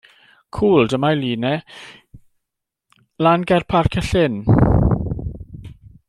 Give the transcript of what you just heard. Cŵl, dyma'i lun e lan ger Parc y Llyn.